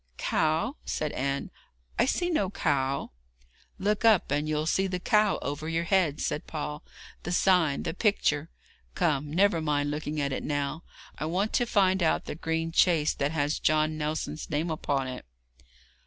'Cow!' said Anne, 'I see no cow.' 'Look up, and you'll see the cow over your head,' said Paul 'the sign, the picture. Come, never mind looking at it now; I want to find out the green chaise that has John Nelson's name upon it.'